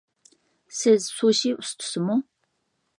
سىز سۇشى ئۇستىسىمۇ؟